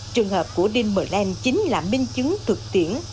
trường hợp của dean merlin chính là minh chứng thực tiễn